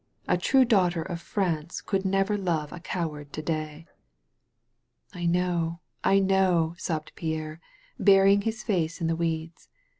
A true daughter of Prance could never love a coward to day." ''I know, I know," sobbed Pierre, burying his face in the weeds.